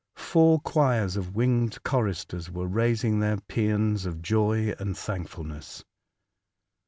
Four choirs of winged choristers were raising their pseans of joy and thankfulness.